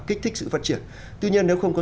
kích thích sự phát triển tuy nhiên nếu không có